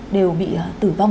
đều bị tử vong